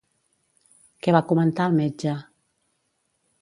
Què va comentar el metge?